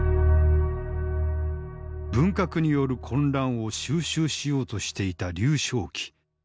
文革による混乱を収拾しようとしていた劉少奇。